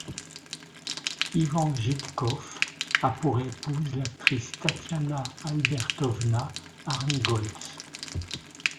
Ivan Jidkov a pour épouse l'actrice Tatiana Albertovna Arntgolts.